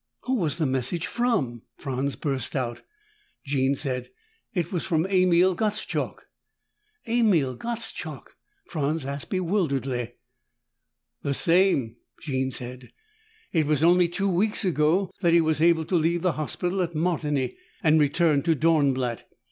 "Who was the message from?" Franz burst out. Jean said, "It was from Emil Gottschalk." "Emil Gottschalk?" Franz asked bewilderedly. "The same," Jean said. "It was only two weeks ago that he was able to leave the hospital at Martigny and return to Dornblatt.